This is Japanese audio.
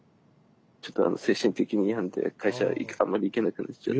ちょっと精神的に病んで会社あんまり行けなくなっちゃって。